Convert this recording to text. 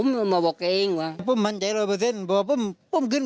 แล้วหลังจากนั้นกินแล้วเลิกกี่โมงครับ